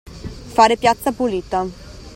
Fare piazza pulita.